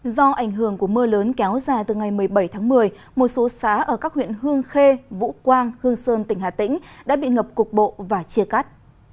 do ảnh hưởng của mưa lớn kéo dài từ ngày một mươi bảy tháng một mươi một số xã ở các huyện hương khê vũ quang hương sơn tỉnh hà tĩnh đã bị ngập cục bộ và chia cắt